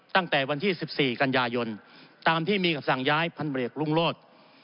ตั้งแต่วันที่๑๔กันยายนตามที่มีคำสั่งย้ายพันเบรกรุงโลศ